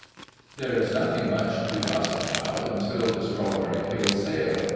There is nothing much to gossip about, until the Straw berry Hill sale.